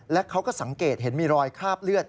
และเขาก็สังเกตเห็นมีรอยคราบเลือด